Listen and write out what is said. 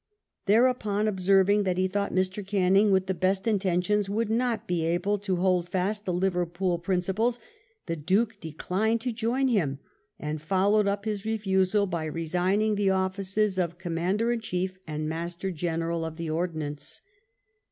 Thereupon, observing that he thought Mr. Canning, with the best intentions, would not be able to hold fast the Liverpool principles, the Duke declined to join him and followed up his refusal by resigning the offices of Commander in Chief and Master General of the Ordnance.